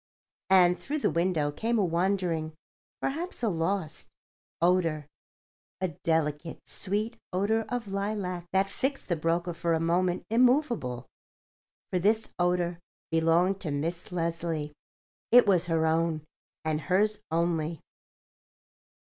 And through the window came a wandering—perhaps a lost—odour—a delicate, sweet odour of lilac that fixed the broker for a moment immovable. For this odour belonged to Miss Leslie; it was her own, and hers only.